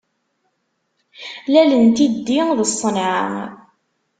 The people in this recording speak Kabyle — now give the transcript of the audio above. Lal n tiddi d ṣenɛa.